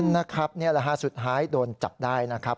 นะครับราศาสตร์สุดท้ายโดนจับได้นะครับ